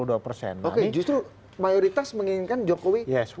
oke justru mayoritas menginginkan jokowi